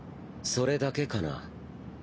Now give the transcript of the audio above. それだけかな？